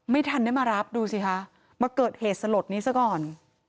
ไม่ทันได้มารับดูสิคะมาเกิดเหตุสลดนี้ซะก่อน